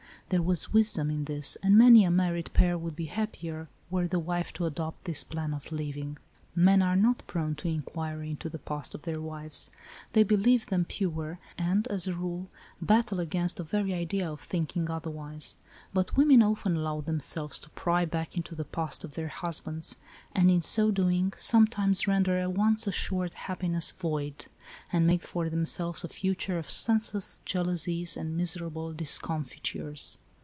There was wisdom in this, and many a married pair would be happier, were the wife to adopt this plan of living. Men are 90 ALICE ; OR, THE WAGES OF SIN. not prone to inquiry into the past of their wives. They believe them pure, and, as a rule, battle against the very idea of thinking otherwise ; but women often allow themselves to pry back into the past of their husbands, and, in so doing, sometimes render a once assured happiness void, and make for themselves a future of senseless jealousies and miserable discomfitures.